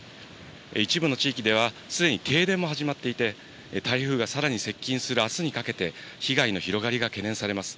一部の地域では、すでに停電も始まっていて、台風がさらに接近するあすにかけて、被害の広がりが懸念されます。